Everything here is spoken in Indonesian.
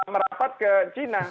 merapat ke cina